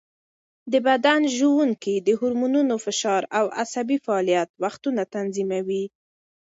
د بدن ژوڼکې د هارمونونو، فشار او عصبي فعالیت وختونه تنظیموي.